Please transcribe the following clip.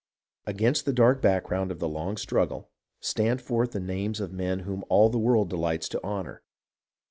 Against the dark background of the long struggle stand forth the names of men whom all the world delights to honour.